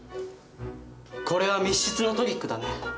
これは密室のトリックだね。